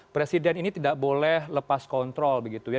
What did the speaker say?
presiden ini tidak boleh lepas kontrol begitu ya